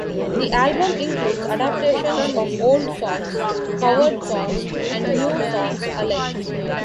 The album includes adaptations of old songs, covered songs and new songs alike.